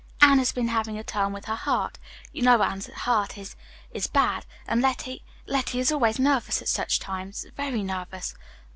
Ann has been having a turn with her heart you know Ann's heart is is bad; and Letty Letty is always nervous at such times very nervous.